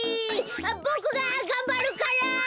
ボクががんばるから！